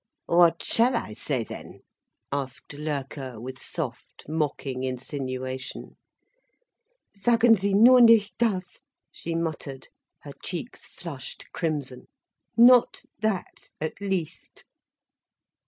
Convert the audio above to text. "What shall I say, then?" asked Loerke, with soft, mocking insinuation. "Sagen Sie nur nicht das," she muttered, her cheeks flushed crimson. "Not that, at least."